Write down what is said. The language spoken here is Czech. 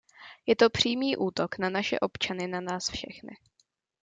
Je to přímý útok na naše občany, na nás všechny.